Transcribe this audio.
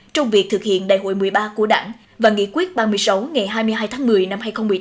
trong việc thực hiện đại hội một mươi ba của đảng và nghị quyết ba mươi sáu ngày hai mươi hai tháng một mươi năm hai nghìn một mươi tám